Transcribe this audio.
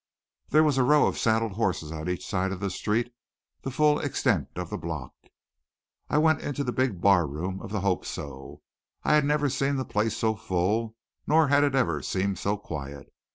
There was a row of saddled horses on each side of the street, the full extent of the block. I went into the big barroom of the Hope So. I had never seen the place so full, nor had it ever seemed so quiet.